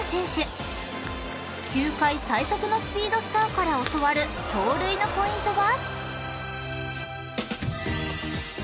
［球界最速のスピードスターから教わる走塁のポイントは？］